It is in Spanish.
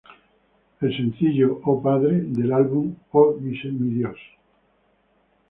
El sencillo "Oh Father" del álbum "Oh My God!